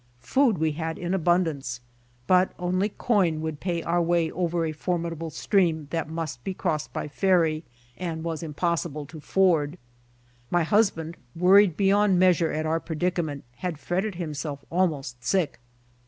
Food we had in abundance, but only coin would pay our way over a formidable stream that must be crossed by ferry and was impossible to ford. My husband, worried beyond measure at. our predica ment, had fretted himself almost sick.